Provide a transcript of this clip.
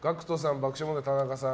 爆笑問題・田中さん